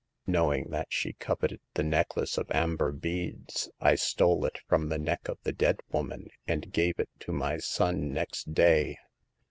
Knowing that she coveted the necklace of amber beads, I stole it from the neck of the dead woman and gave it to my son next day.